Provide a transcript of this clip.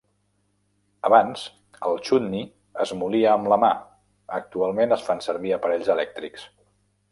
Abans el chutney es molia amb la mà; actualment es fan servir aparells elèctrics.